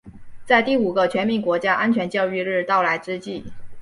在第五个全民国家安全教育日到来之际